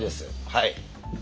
はい。